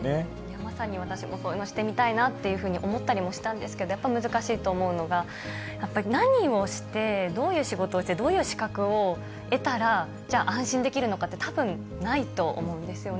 まさに私もそういうのしてみたいなって思ったりもしたんですけど、やっぱり難しいと思うのが、やっぱり何をして、どういう仕事をして、どういう資格を得たら、じゃあ、安心できるのかって、たぶんないと思うんですよね。